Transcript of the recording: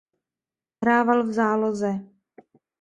Hrával v záloze.